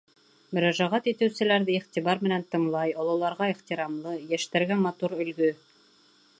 Мөрәжәғәт итеүселәрҙе иғтибар менән тыңлай, ололарға ихтирамлы, йәштәргә — матур өлгө.